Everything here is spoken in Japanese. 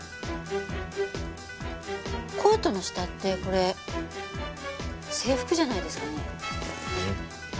コートの下ってこれ制服じゃないですかね？